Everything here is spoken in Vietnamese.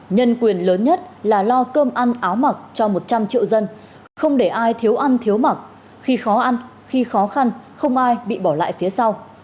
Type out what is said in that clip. nhân quyền lớn nhất là lo cơm ăn áo mặc cho một trăm linh triệu dân không để ai thiếu ăn thiếu mặc khi khó ăn khi khó khăn không ai bị bỏ lại phía sau